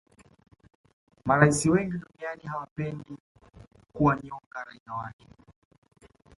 marais wengi duniani hawapendi kuwanyonga raia wake